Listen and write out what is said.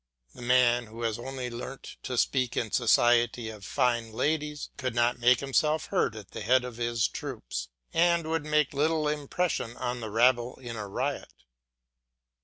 A man who has only learnt to speak in society of fine ladies could not make himself heard at the head of his troops, and would make little impression on the rabble in a riot.